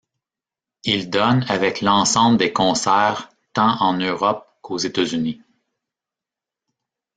Il donne avec l'ensemble des concerts tant en Europe qu'aux États-Unis.